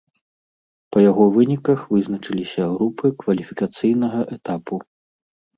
Па яго выніках вызначыліся групы кваліфікацыйнага этапу.